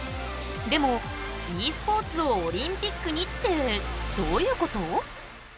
でも「ｅスポーツをオリンピックに」ってどういうこと？